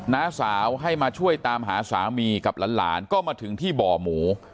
น้าสาวให้มาช่วยตามหาสามีกับหลานก็มาถึงที่บ่อหมู